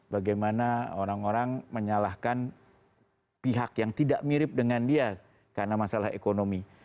bagaimana orang orang menyalahkan pihak yang tidak mirip dengan dia karena masalah ekonomi